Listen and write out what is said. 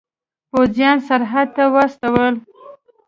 پوځیان سرحد ته واستول.